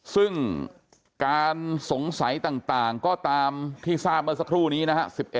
ซึ่งการสงสัยต่างก็ตามที่ทราบเมื่อสักครู่นี้นะฮะ